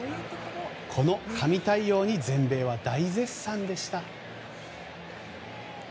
この神対応に全米は大絶賛でした。